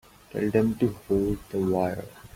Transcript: Tell them to hold the wire.